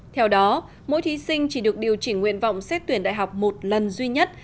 theo đó mỗi thí sinh chỉ được điều chỉnh nguyện vọng xét tuyển đại học một lần duy nhất